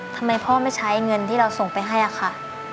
ทำไมพ่อไม่ใช้เงินที่เราส่งไปให้อะค่ะ